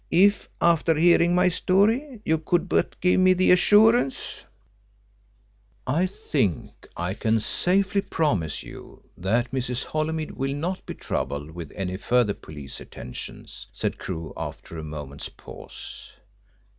"If, after hearing my story, you could but give me the assurance " "I think I can safely promise you that Mrs. Holymead will not be troubled with any further police attentions," said Crewe, after a moment's pause.